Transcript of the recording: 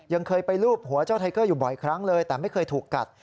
ยังเคยไปลูบหัวเจ้าไทเกอร์อยู่บ่อยครั้งเลยแต่ไม่เคยถูกกัด